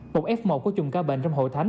một f một của chùm ca bệnh trong hội thánh